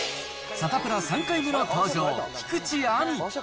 サタプラ３回目の登場、菊地亜美。